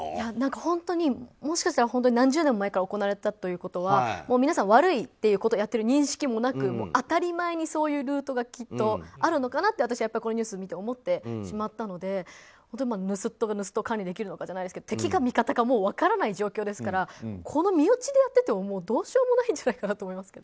本当に、もしかしたら何十年も前から行われていたということは皆さん悪いことをやってる認識もなく当たり前にそういうルートがきっとあるのかなって私はこのニュースを見て思ってしまったので盗っ人が盗っ人を管理できるのかじゃないですけど敵か味方か分からない状況ですからこの身内でやっててもどうしようもないんじゃないかと思いますけど。